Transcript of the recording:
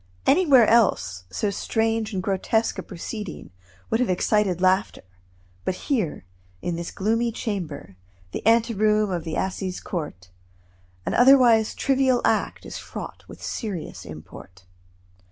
Anywhere else so strange and grotesque a proceeding would have excited laughter, but here, in this gloomy chamber, the anteroom of the assize court, an otherwise trivial act is fraught with serious import.